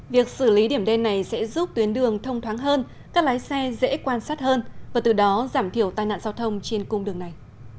việc xử lý điểm đen này sẽ giúp tuyến đường thông thoáng hơn các lái xe dễ quan sát hơn và từ đó giảm thiểu tai nạn giao thông trên cung đường này